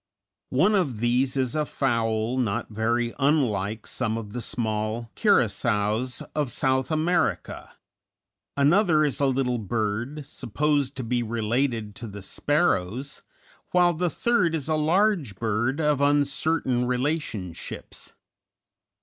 One of these is a fowl not very unlike some of the small curassows of South America; another is a little bird, supposed to be related to the sparrows, while the third is a large bird of uncertain relationships.